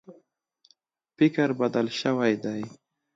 فکر بدل شوی دی.